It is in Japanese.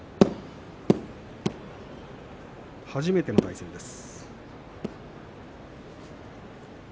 初めての対戦です。